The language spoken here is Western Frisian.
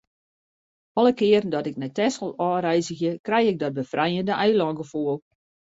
Alle kearen dat ik nei Texel ôfreizgje, krij ik dat befrijende eilângefoel.